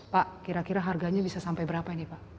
pak kira kira harganya bisa sampai berapa ini pak